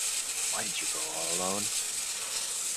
Why did you go alone?